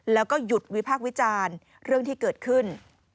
แล้วก็หยุดวิพากษ์วิจารณ์เรื่องที่เกิดขึ้น